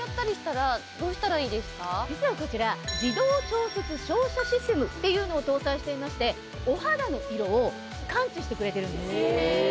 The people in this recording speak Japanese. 実はこちら。っていうのを搭載していましてお肌の色を感知してくれてるんです。